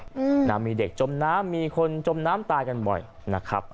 อืมนะมีเด็กจมน้ำมีคนจมน้ำตายกันบ่อยนะครับ